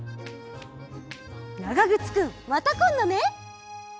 ながぐつくんまたこんどね。